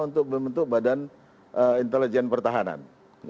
untuk membentuk badan intelijen pertahanan